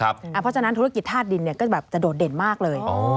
เพราะฉะนั้นธุรกิจธาตุดินก็แบบจะโดดเด่นมากเลย